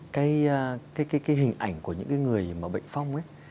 cái hình ảnh của những người bệnh phong ấy